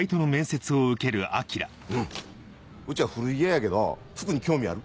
うんうちは古着屋やけど服に興味ある？